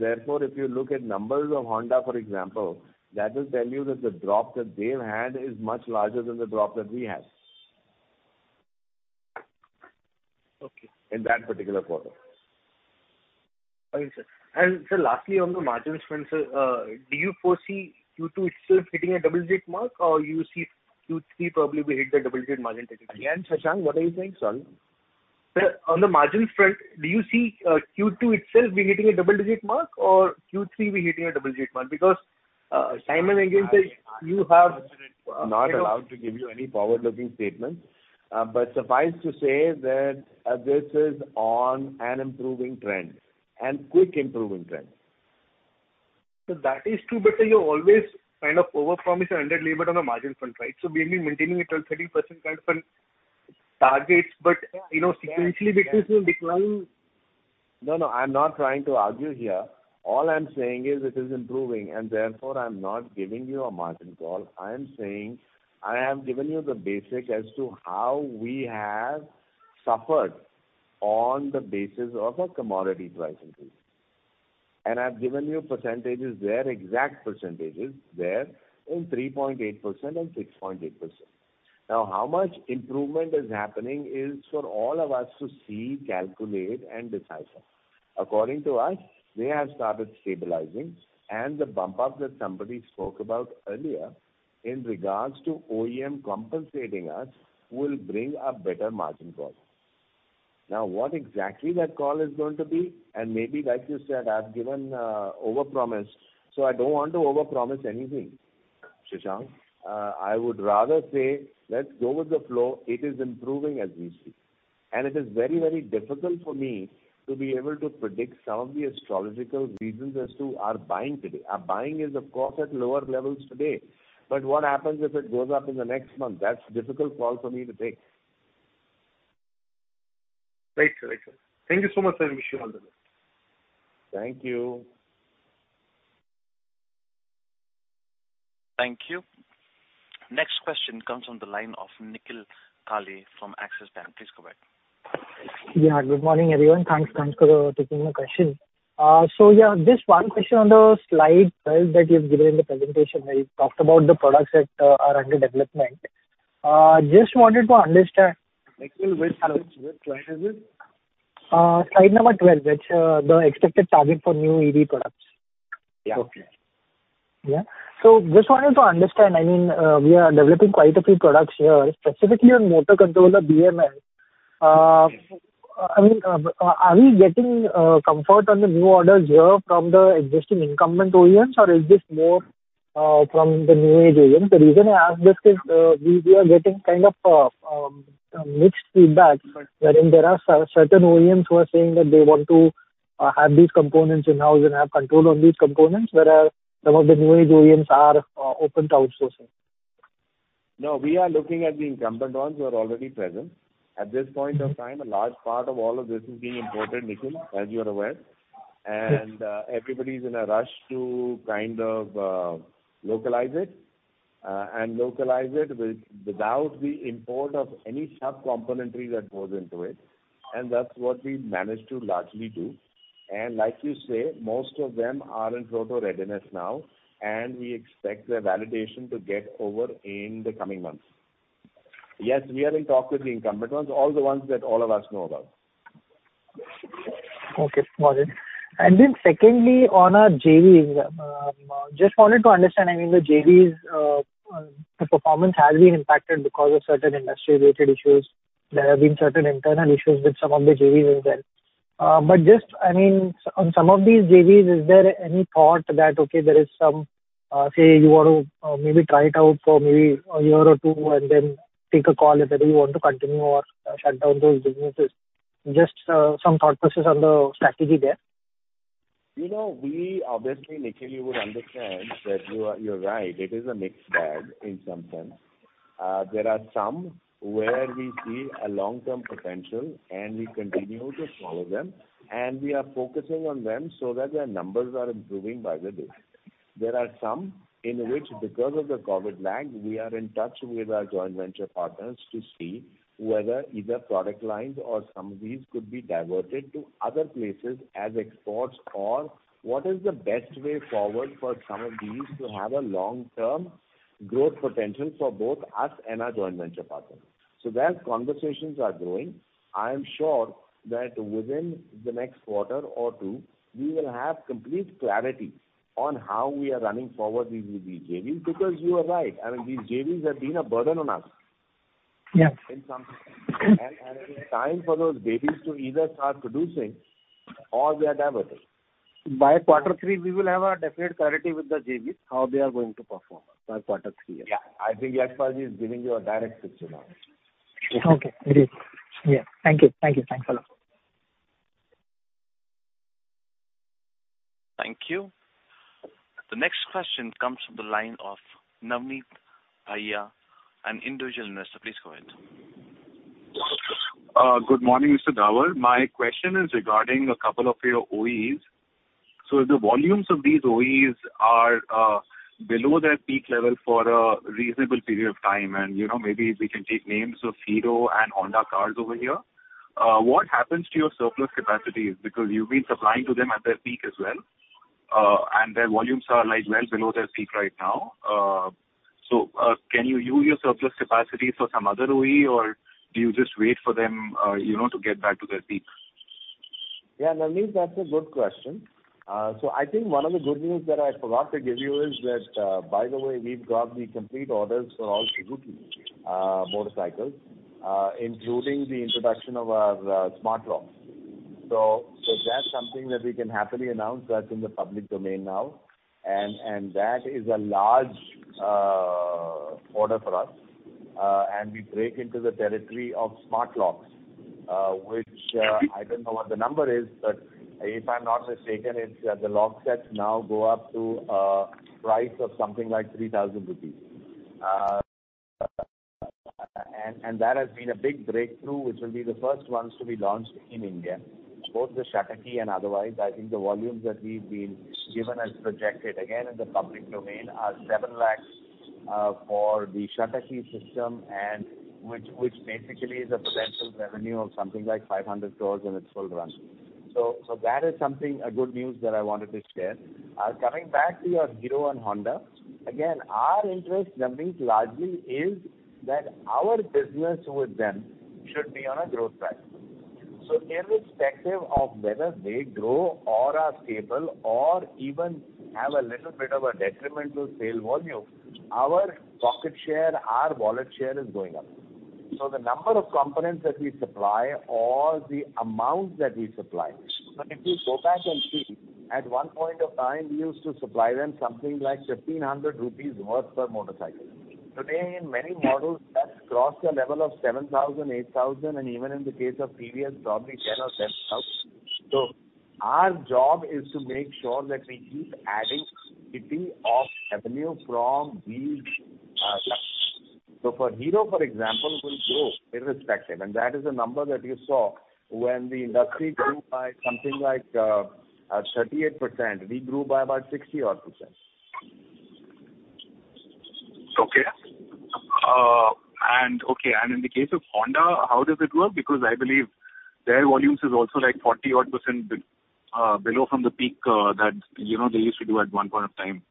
Therefore, if you look at numbers of Honda, for example, that will tell you that the drop that they've had is much larger than the drop that we had. Okay. In that particular quarter. All right, sir. Sir, lastly, on the margins front, sir, do you foresee Q2 itself hitting a double-digit mark or you see Q3 probably will hit the double-digit margin target again? Again, Shashank, what are you saying, son? Sir, on the margin front, do you see Q2 itself be hitting a double-digit mark or Q3 be hitting a double-digit mark? Because, time and again, sir, you have Not allowed to give you any forward-looking statements. Suffice to say that this is on an improving trend and quick improving trend. Sir, that is true, but you always kind of overpromise and underdeliver on the margin front, right? We've been maintaining 12%-13% kind of targets, but. Yeah. You know, sequentially business will decline. No, no, I'm not trying to argue here. All I'm saying is it is improving, and therefore I'm not giving you a margin call. I am saying I have given you the basic as to how we have suffered on the basis of a commodity price increase. I've given you percentages there, exact percentages there, in 3.8% and 6.8%. Now how much improvement is happening is for all of us to see, calculate, and decipher. According to us, they have started stabilizing and the bump up that somebody spoke about earlier in regards to OEM compensating us will bring a better margin call. Now what exactly that call is going to be, and maybe like you said, I've given overpromise, so I don't want to overpromise anything, Shashank. I would rather say let's go with the flow. It is improving as we speak. It is very, very difficult for me to be able to predict some of the astrological reasons as to our buying today. Our buying is of course at lower levels today. What happens if it goes up in the next month? That's a difficult call for me to take. Right, sir. Thank you so much, sir. Wish you all the best. Thank you. Thank you. Next question comes on the line of Nikhil Kale from Axis Bank. Please go ahead. Yeah, good morning, everyone. Thanks for taking my question. Yeah, just one question on the slide that you've given in the presentation where you talked about the products that are under development. Just wanted to understand. Nikhil, which slide is it? Slide number 12, which, the expected target for new EV products. Yeah. Okay. Yeah. Just wanted to understand, I mean, we are developing quite a few products here, specifically on motor controller BMS. I mean, are we getting comfort on the new orders here from the existing incumbent OEMs, or is this more from the new age OEMs? The reason I ask this is, we are getting kind of mixed feedback wherein there are certain OEMs who are saying that they want to have these components in-house and have control on these components, whereas some of the new age OEMs are open to outsourcing. No, we are looking at the incumbent ones who are already present. At this point of time, a large part of all of this is being imported, Nikhil, as you are aware. Everybody's in a rush to kind of localize it and localize it without the import of any sub-componentry that goes into it, and that's what we've managed to largely do. Like you say, most of them are in proto readiness now, and we expect their validation to get over in the coming months. Yes, we are in talks with the incumbent ones, all the ones that all of us know about. Okay, got it. Secondly, on our JVs, just wanted to understand, I mean, the JVs, the performance has been impacted because of certain industry-related issues. There have been certain internal issues with some of the JVs as well. Just, I mean, so on some of these JVs, is there any thought that there is some, say you want to maybe try it out for a year or two and then take a call whether you want to continue or shut down those businesses. Just some thought process on the strategy there. You know, we obviously, Nikhil, you would understand that you're right, it is a mixed bag in some sense. There are some where we see a long-term potential, and we continue to follow them, and we are focusing on them so that their numbers are improving by the day. There are some in which, because of the COVID lag, we are in touch with our joint venture partners to see whether either product lines or some of these could be diverted to other places as exports or what is the best way forward for some of these to have a long-term growth potential for both us and our joint venture partners. Those conversations are growing. I am sure that within the next quarter or two, we will have complete clarity on how we are running forward with these JVs, because you are right, I mean, these JVs have been a burden on us. Yes. In some sense. It is time for those JVs to either start producing or we are diverting. By quarter three, we will have a definite clarity with the JVs, how they are going to perform by quarter three, yeah? Yeah. I think Yashpal is giving you a direct picture now. Okay. Agreed. Yeah. Thank you. Thank you. Thanks a lot. Thank you. The next question comes from the line of Navneet Bhaiya, an individual investor. Please go ahead. Good morning, Mr. Davar. My question is regarding a couple of your OEs. If the volumes of these OEs are below their peak level for a reasonable period of time, and, you know, maybe we can take names of Hero and Honda cars over here, what happens to your surplus capacities? Because you've been supplying to them at their peak as well, and their volumes are, like, well below their peak right now. Can you use your surplus capacities for some other OE, or do you just wait for them, you know, to get back to their peaks? Yeah, Navneet, that's a good question. So I think one of the good news that I forgot to give you is that, by the way, we've got the complete orders for all Suzuki motorcycles, including the introduction of our Smart Locks. So that's something that we can happily announce that's in the public domain now. That is a large order for us. And we break into the territory of Smart Locks, which, I don't know what the number is, but if I'm not mistaken, it's the lock sets now go up to a price of something like 3,000 rupees. And that has been a big breakthrough, which will be the first ones to be launched in India, both the Suzuki and otherwise. I think the volumes that we've been given as projected, again, in the public domain, are 7 lakh for the Suzuki system which basically is a potential revenue of something like 500 crore in its full run. That is something, a good news that I wanted to share. Coming back to your Hero and Honda, again, our interest, Navneet, largely is that our business with them should be on a growth path. Irrespective of whether they grow or are stable or even have a little bit of a detrimental sales volume, our market share, our wallet share is going up. The number of components that we supply or the amounts that we supply. If you go back and see, at one point of time, we used to supply them something like 1,500 rupees worth per motorcycle. Today, in many models, that's crossed a level of 7,000, 8,000, and even in the case of CBS, probably 10,000. Our job is to make sure that we keep adding 50% of revenue from these customers. For Hero, for example, will grow irrespective. That is a number that you saw when the industry grew by something like 38%, we grew by about 60%. Okay, in the case of Honda, how does it work? Because I believe their volumes is also like 40-odd% below from the peak, that, you know, they used to do at one point of time.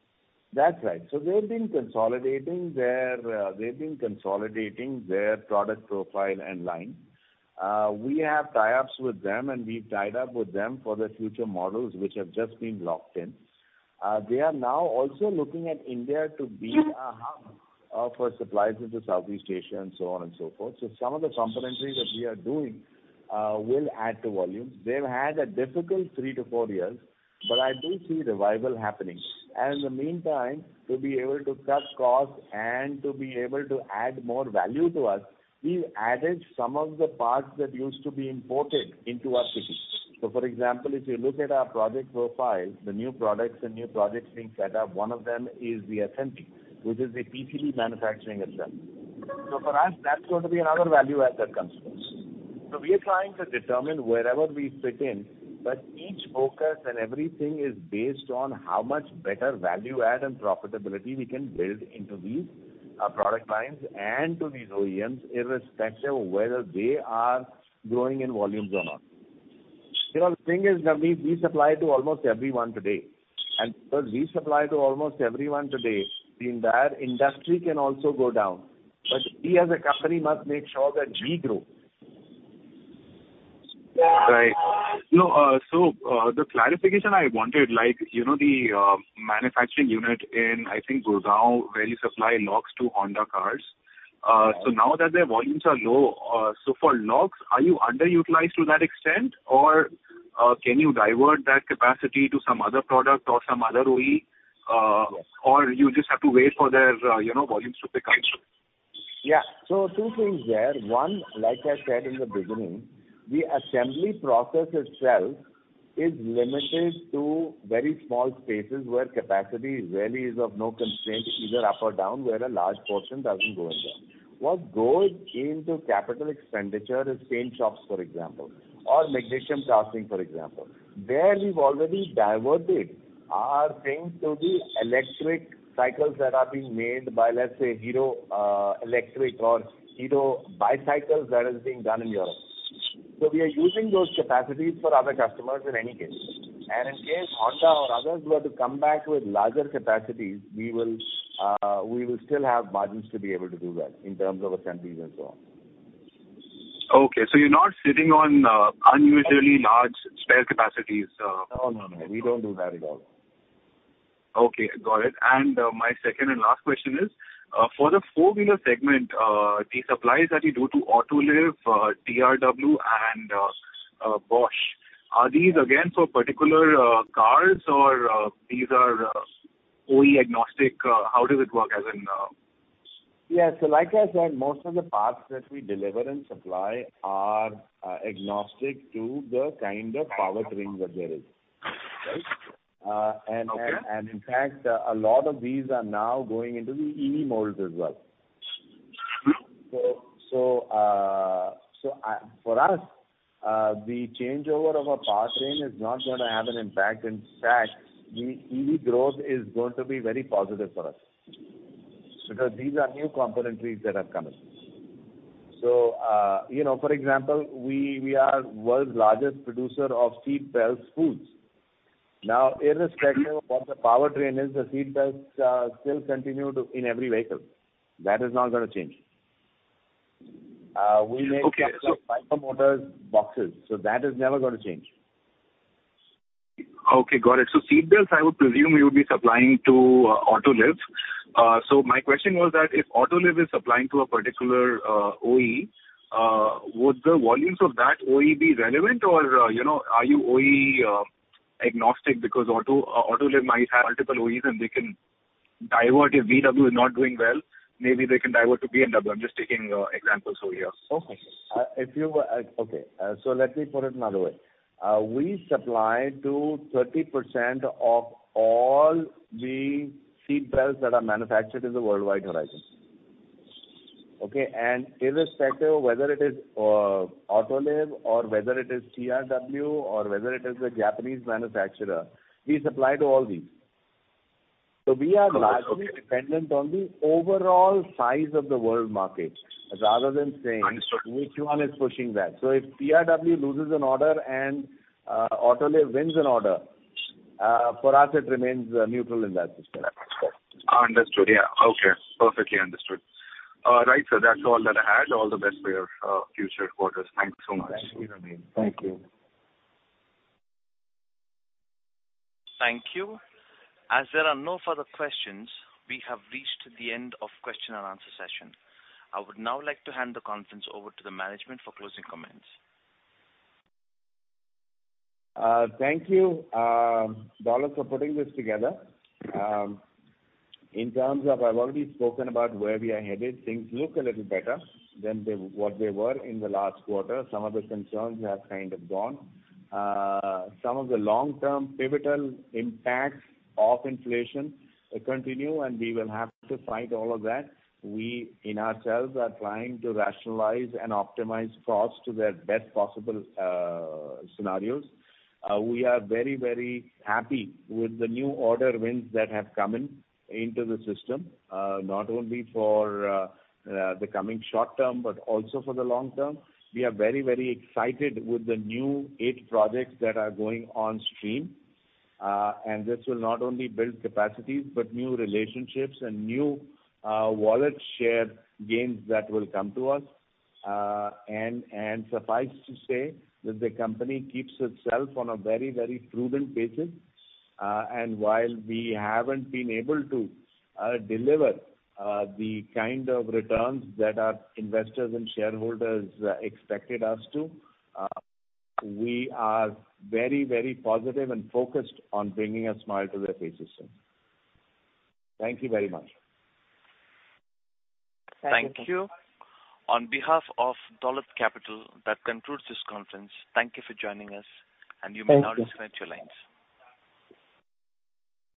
That's right. They've been consolidating their product profile and line. We have tie-ups with them, and we've tied up with them for the future models which have just been locked in. They are now also looking at India to be a hub for supplies into Southeast Asia and so on and so forth. Some of the complementary that we are doing will add to volumes. They've had a difficult 3-4 years, but I do see revival happening. In the meantime, to be able to cut costs and to be able to add more value to us, we've added some of the parts that used to be imported into our city. For example, if you look at our project profile, the new products and new projects being set up, one of them is the SMT, which is a PCB manufacturing itself. For us, that's going to be another value add that comes to us. We are trying to determine wherever we fit in, but each focus and everything is based on how much better value add and profitability we can build into these, product lines and to these OEMs, irrespective of whether they are growing in volumes or not. You know, the thing is, Navneet, we supply to almost everyone today. Because we supply to almost everyone today, the entire industry can also go down. We as a company must make sure that we grow. No, the clarification I wanted, like, you know, the manufacturing unit in, I think Gurgaon, where you supply locks to Honda cars. Now that their volumes are low, for locks are you underutilized to that extent? Or, can you divert that capacity to some other product or some other OE, or you just have to wait for their, you know, volumes to pick up? Two things there. One, like I said in the beginning, the assembly process itself is limited to very small spaces where capacity really is of no constraint, either up or down, where a large portion doesn't go in there. What goes into capital expenditure is paint shops, for example, or magnesium casting, for example. There we've already diverted our things to the electric cycles that are being made by, let's say, Hero Electric or Hero bicycles that is being done in Europe. We are using those capacities for other customers in any case. In case Honda or others were to come back with larger capacities, we will still have margins to be able to do that in terms of assemblies and so on. Okay. You're not sitting on unusually large spare capacities? No, no, we don't do that at all. Okay, got it. My second and last question is, for the four-wheeler segment, the supplies that you do to Autoliv, TRW and Bosch, are these again for particular cars or these are OE agnostic? How does it work as in? Yeah. Like I said, most of the parts that we deliver and supply are agnostic to the kind of powertrains that there is. Right? Okay. In fact, a lot of these are now going into the EV molds as well. For us, the changeover of a powertrain is not gonna have an impact. In fact, the EV growth is going to be very positive for us because these are new components that have come in. You know, for example, we are the world's largest producer of seat belt spools. Now, irrespective of what the powertrain is, the seat belts still continue to be in every vehicle. That is not gonna change. We make- Okay. Wiper motor gearboxes, so that is never gonna change. Okay, got it. Seatbelts I would presume you would be supplying to Autoliv. My question was that if Autoliv is supplying to a particular OEM, would the volumes of that OEM be relevant or, you know, are you OEM agnostic because Autoliv might have multiple OEMs and they can divert. If Volkswagen is not doing well, maybe they can divert to BMW. I'm just taking examples over here. Let me put it another way. We supply to 30% of all the seatbelts that are manufactured in the worldwide horizon. Irrespective of whether it is Autoliv or whether it is TRW or whether it is a Japanese manufacturer, we supply to all these. Got it. Okay. We are largely dependent on the overall size of the world market rather than saying. Understood. Which one is pushing that. If TRW loses an order and Autoliv wins an order, for us it remains neutral in that system. Understood. Yeah. Okay. Perfectly understood. Right. That's all that I had. All the best for your future quarters. Thanks so much. Thank you, Navneet. Thank you. Thank you. As there are no further questions, we have reached the end of question and answer session. I would now like to hand the conference over to the management for closing comments. Thank you, Dolat, for putting this together. In terms of, I've already spoken about where we are headed. Things look a little better than what they were in the last quarter. Some of the concerns have kind of gone. Some of the long-term pivotal impacts of inflation continue, and we will have to fight all of that. We in ourselves are trying to rationalize and optimize costs to their best possible scenarios. We are very, very happy with the new order wins that have come in into the system, not only for the coming short term, but also for the long term. We are very, very excited with the new eight projects that are going on stream. This will not only build capacities but new relationships and new wallet share gains that will come to us. Suffice to say that the company keeps itself on a very, very prudent basis. While we haven't been able to deliver the kind of returns that our investors and shareholders expected us to, we are very, very positive and focused on bringing a smile to their faces soon. Thank you very much. Thank you. On behalf of Dolat Capital, that concludes this conference. Thank you for joining us. Thank you. You may now disconnect your lines.